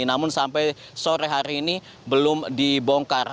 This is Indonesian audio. namun sampai sore hari ini belum dibongkar